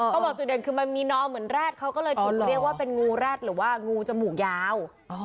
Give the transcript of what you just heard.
จุดเด่นคือมันมีนอเหมือนแรดเขาก็เลยถูกเรียกว่าเป็นงูแร็ดหรือว่างูจมูกยาว